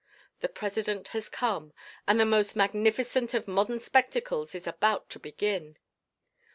The President has come, and the most magnificent of modern spectacles is about to begin.